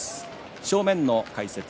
正面の解説